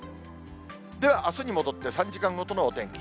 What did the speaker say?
ではあすに戻って、３時間ごとのお天気。